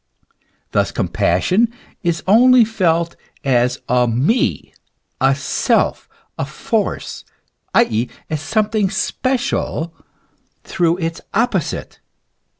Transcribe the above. Thus compassion is only felt as a me, a self, a force, i. e., as something special, through its opposite.